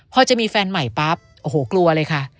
พอจะมีแฟนใหม่ปั๊บโอ้โหกลัวเลยค่ะ